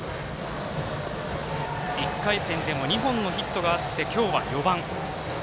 １回戦でも２本のヒットがあって今日は４番。